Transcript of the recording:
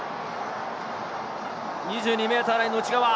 ２２ｍラインの内側。